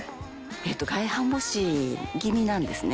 外反母趾気味なんですね。